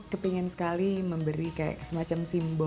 kepingin sekali memberi semacam